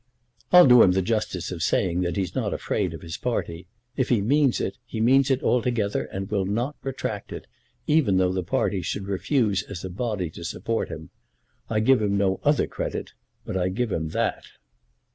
"I'll do him the justice of saying that he's not afraid of his party. If he means it, he means it altogether, and will not retract it, even though the party should refuse as a body to support him. I give him no other credit, but I give him that."